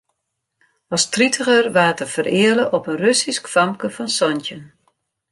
As tritiger waard er fereale op in Russysk famke fan santjin.